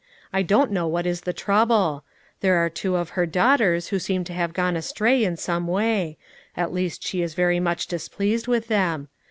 I don't know what is the trouble ; there are two of her daughters who seem to have gone astray in some way; at least she is very much dis pleased with them.